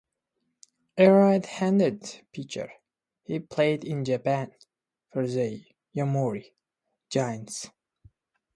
A right-handed pitcher, he played in Japan for the Yomiuri Giants.